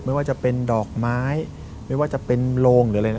ไม่ว่าจะเป็นดอกไม้ไม่ว่าจะเป็นโลงหรืออะไรนะ